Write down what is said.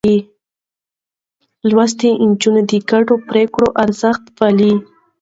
لوستې نجونې د ګډو پرېکړو ارزښت پالي.